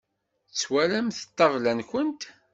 Twalamt ṭṭabla-nkent?